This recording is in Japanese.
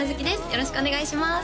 よろしくお願いします